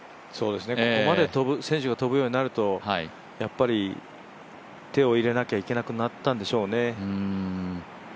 ここまで選手が飛ぶようになると手を入れなきゃいけなくなったんでしょうね。